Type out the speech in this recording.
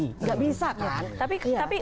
with me tidak bisa kan